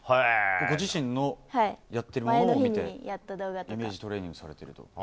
ご自身のやっているのを見てイメージトレーニングされていると。